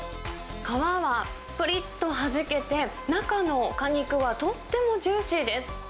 皮はぷりっとはじけて中の果肉はとってもジューシーです。